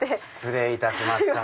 失礼いたしました！